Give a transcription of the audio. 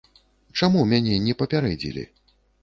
Чаму мяне не папярэдзілі?